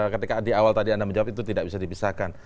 ketika di awal tadi anda menjawab itu tidak bisa dipisahkan